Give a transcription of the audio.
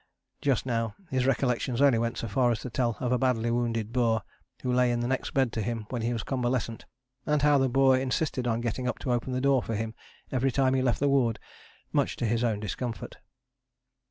Just now his recollections only went so far as to tell of a badly wounded Boer who lay in the next bed to him when he was convalescent, and how the Boer insisted on getting up to open the door for him every time he left the ward, much to his own discomfort.